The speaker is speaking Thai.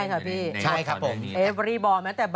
ร้อยลงต่อสิ่งดีคืนให้กับสังคมอีกด้วยนะครับ